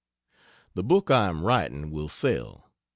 The book I am writing will sell.